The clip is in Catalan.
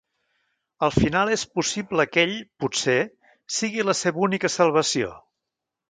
Al final és possible que ell, potser, sigui la seva única salvació.